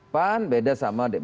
pan beda sama